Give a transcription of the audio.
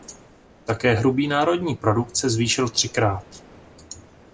Také hrubý národní produkt se zvýšil třikrát.